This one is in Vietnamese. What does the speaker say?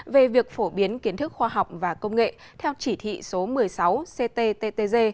về việc phổ biến kiến thức khoa học và công nghệ theo chỉ thị số một mươi sáu cttg